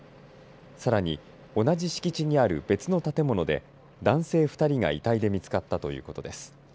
さらに同じ敷地にある別の建物で男性２人が遺体で見つかったということです。